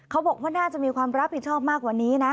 เขาบอกว่าน่าจะมีความรับผิดชอบมากกว่านี้นะ